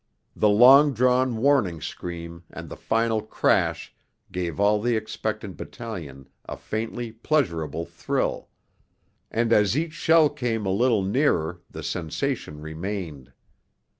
The long drawn warning scream and the final crash gave all the expectant battalion a faintly pleasurable thrill, and as each shell came a little nearer the sensation remained.